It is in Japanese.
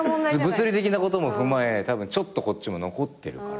物理的なことも踏まえたぶんちょっとこっちも残ってるから。